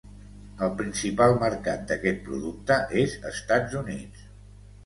El principal mercat d'aquest producte és Estats Units.